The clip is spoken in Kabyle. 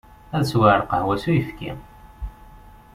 Ad sweɣ lqahwa s uyefki.